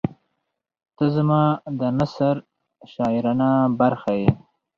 • ته زما د نثر شاعرانه برخه یې.